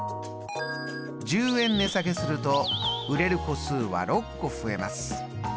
１０円値下げすると売れる個数は６個増えます。